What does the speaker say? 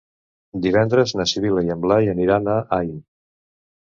Divendres na Sibil·la i en Blai aniran a Aín.